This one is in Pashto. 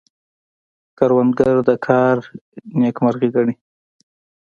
کروندګر د کار نیکمرغي ګڼي